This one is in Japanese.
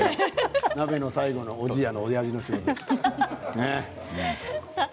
鍋の最後のおじやのおやじの仕事ですから。